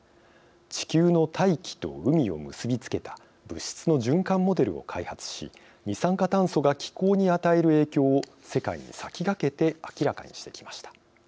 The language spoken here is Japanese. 地球の大気と海を結び付けた物質の循環モデルを開発し二酸化炭素が気候に与える影響を世界に先駆けて明らかにしてきました。